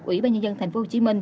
ủy ban nhân dân tp hcm